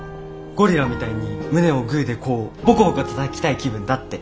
ゴリラみたいに胸をグーでこうボコボコたたきたい気分だって。